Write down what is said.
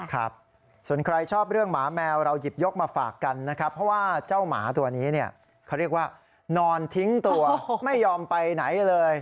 ครับส่วนใครชอบเรื่องหมาแมวเราหยิบยกมาฝากกันนะครับเพราะว่าเจ้าหมาตัวนี้เนี่ยเขาเรียกว่านอนทิ้งตัวไม่ยอมไปไหนเลย